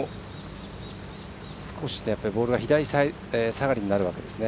少しボールが左下がりになるわけですね。